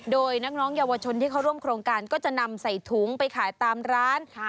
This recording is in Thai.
โดยน้องเยาวชนที่เขาร่วมโครงการก็จะนำใส่ถุงไปขายตามร้าน